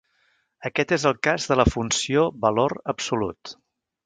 Aquest és el cas de la funció valor absolut.